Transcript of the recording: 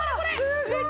すごい！